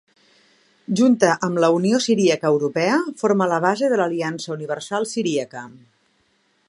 Junta amb la Unió Siríaca Europea forma la base de l'Aliança Universal Siríaca.